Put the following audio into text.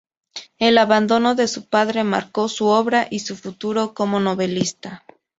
El abandono de su padre marcó su obra y su futuro como novelista.